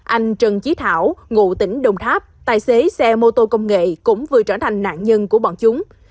anh trần trí thảo ngụ tỉnh đồng tháp tài xế xe mô tô công nghệ cũng vừa trở thành nạn nhân của bọn chúng